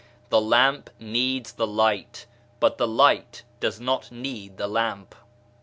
The lamp needs the light, but the light does not need the lamp.